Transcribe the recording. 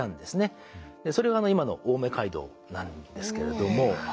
それが今の青梅街道なんですけれども。